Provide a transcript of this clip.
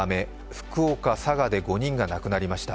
福岡、佐賀で５人が亡くなりました。